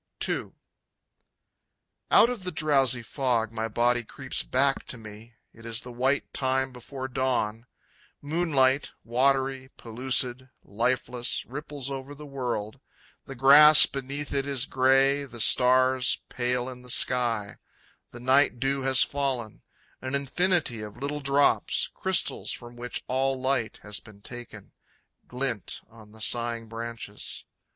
II. Out of the drowsy fog my body creeps back to me. It is the white time before dawn. Moonlight, watery, pellucid, lifeless, ripples over the world. The grass beneath it is gray; the stars pale in the sky. The night dew has fallen; An infinity of little drops, crystals from which all light has been taken, Glint on the sighing branches.